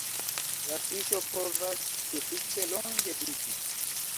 La fiŝo povas sufiĉe longe vivi.